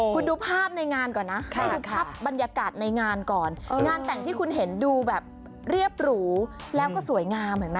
คุณดูภาพในงานก่อนนะให้ดูภาพบรรยากาศในงานก่อนงานแต่งที่คุณเห็นดูแบบเรียบหรูแล้วก็สวยงามเห็นไหม